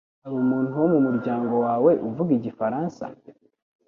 Hari umuntu wo mu muryango wawe uvuga igifaransa?